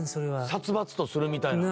殺伐とするみたいな。